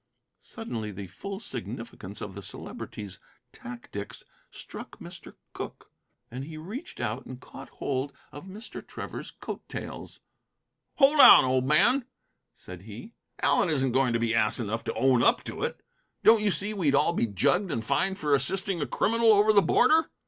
Suddenly the full significance of the Celebrity's tactics struck Mr. Cooke, and he reached out and caught hold of Mr. Trevor's coattails. "Hold on, old man," said he; "Allen isn't going to be ass enough to own up to it. Don't you see we'd all be jugged and fined for assisting a criminal over the border?